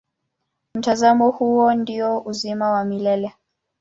Mtazamo huo ndio uzima wa milele.